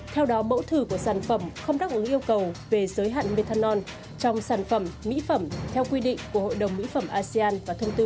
theo đó mẫu thử của sản phẩm không đáp ứng yêu cầu về giới hạn methanol trong sản phẩm mỹ phẩm theo quy định của hội đồng mỹ phẩm asean và thông tư